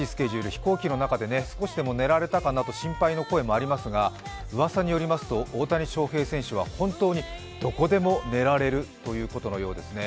飛行機の中で少しでも寝られたかなと心配の声もありますがうわさによりますと大谷翔平選手は本当にどこでも寝られるということです。